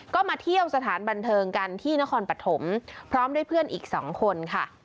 ก็มาเที่ยวสถานบันเทิงกันที่นครปฐมพร้อมด้วยเพื่อนอีก๒คนค่ะ